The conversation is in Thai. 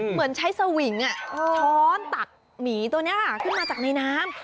เหมือนใช้สวิงช้อนตักหมีตัวนี้ขึ้นมาจากในน้ำ